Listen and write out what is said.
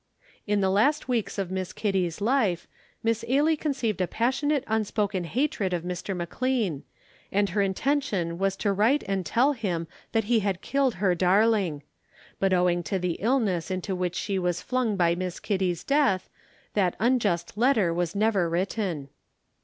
In the last weeks of Miss Kitty's life Miss Ailie conceived a passionate unspoken hatred of Mr. McLean, and her intention was to write and tell him that he had killed her darling. But owing to the illness into which she was flung by Miss Kitty's death, that unjust letter was never written.